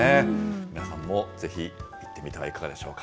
皆さんもぜひ行ってみてはいかがでしょうか。